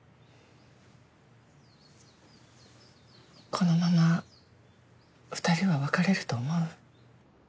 このまま２人は別れると思う？